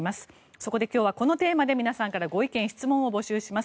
そこで今日はこのテーマで皆さんからご意見・質問を募集します。